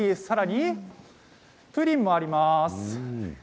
さらにプリンもあります。